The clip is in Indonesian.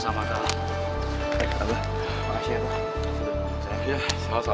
terima kasih sama sama